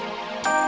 ya ini udah gawat